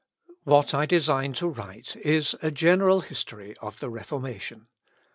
What I design to write, is a general history of the Reformation.